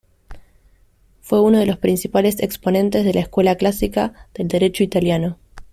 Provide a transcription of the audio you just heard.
Fue uno de los principales exponentes de la Escuela Clásica del derecho italiano.